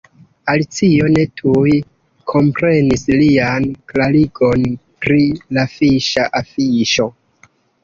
Alicio ne tuj komprenis lian klarigon pri la fiŝa afiŝo.